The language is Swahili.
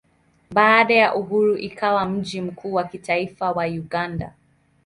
Baada ya uhuru ikawa mji mkuu wa kitaifa wa Uganda.